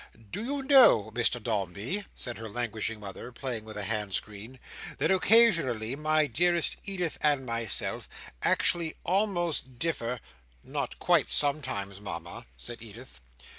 "Do you know, Mr Dombey," said her languishing mother, playing with a hand screen, "that occasionally my dearest Edith and myself actually almost differ—" "Not quite, sometimes, Mama?" said Edith.